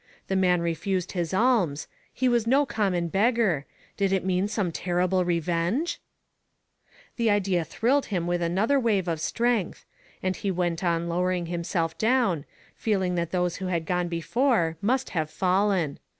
The man refused his alms — he was no common beggar — did it mean some terrible revenge? Digitized by Google GEORGE MANVILLE FENN, 283 The idea thrilled him with another wave of strength, and he went on lowering himself down, feeling that those who had gone before must have fallen.